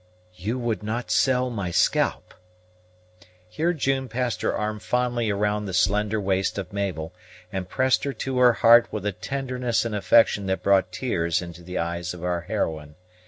"You would not sell my scalp?" Here June passed her arm fondly around the slender waist of Mabel and pressed her to her heart with a tenderness and affection that brought tears into the eyes of our heroine.